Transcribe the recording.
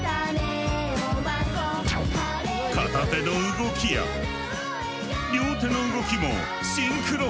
片手の動きや両手の動きもシンクロ！